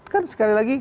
kan sekali lagi